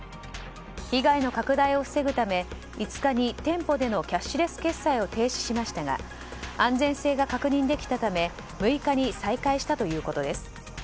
被害の拡大を防ぐため５日に店舗でのキャッシュレス決済を停止しましたが安全性が確認できたため６日に再開したということです。